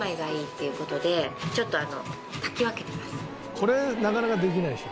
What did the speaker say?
これなかなかできないでしょ。